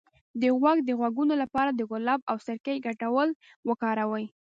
د غوږ د غږونو لپاره د ګلاب او سرکې ګډول وکاروئ